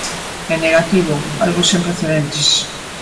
En negativo, algo sen precedentes.